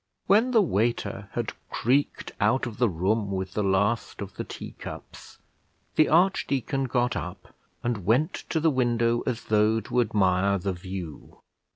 When the waiter had creaked out of the room with the last of the teacups, the archdeacon got up and went to the window as though to admire the view.